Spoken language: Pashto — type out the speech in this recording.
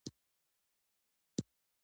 مساوي برابر نه کړو.